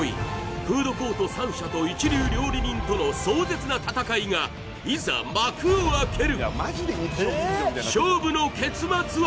フードコート３社と一流料理人との壮絶な戦いがいざ幕を開ける勝負の結末は？